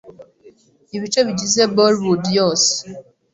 ibice bigize Bollywood yose